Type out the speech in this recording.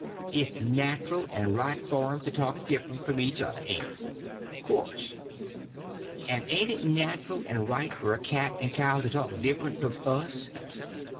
"It's natural and right for 'em to talk different from each other, ain't it?" "Course." "And ain't it natural and right for a cat and a cow to talk different from us?"